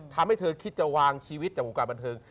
ทำให้เธอคิดจะวางชีวิตจากวงการบันเทิง